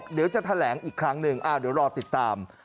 เดี๋ยวจะแถลงอีกครั้งหนึ่งเดี๋ยวรอติดตาม